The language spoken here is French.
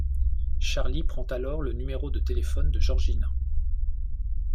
Charlie prend alors le numéro de téléphone de Georgina.